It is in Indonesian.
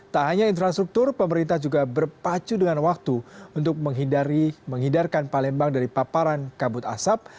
tak hanya infrastruktur pemerintah juga berpacu dengan waktu untuk menghidarkan palembang dari paparan kabut asap